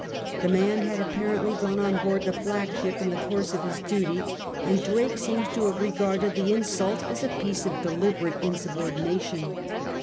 The man had apparently gone on board the flagship in the course of his duty, and 68 SIR FRANCIS DRAKE chap. Drake seems to have regarded the insult as a piece of deliberate insubordination.